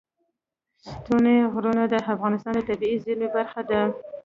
ستوني غرونه د افغانستان د طبیعي زیرمو برخه ده.